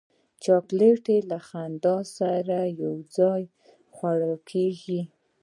چاکلېټ له خندا سره یو ځای خوړل کېږي.